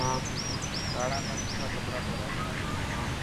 ٻاڙان نا سٺا ڪپڙا پيرا.